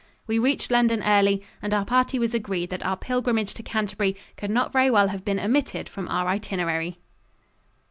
We reached London early, and our party was agreed that our pilgrimage to Canterbury could not very well have been omitted from our itinerary.